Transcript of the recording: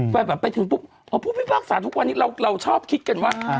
อ๋อพี่ภาคสารทุกวันนี้เราชอบคิดกันว่า